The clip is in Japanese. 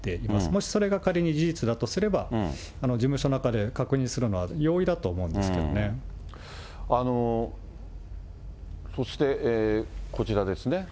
もしそれが仮に事実だとすれば、事務所中で確認するのは容易だとそしてこちらですね。